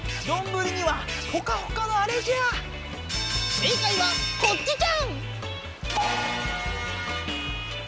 正解はこっちじゃ。